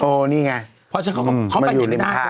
โอ้นี่ไงเพราะฉะนั้นเขาเป็นเด็ดไม่ได้